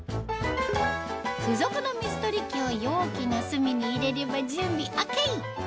付属の水取り器を容器の隅に入れれば準備ＯＫ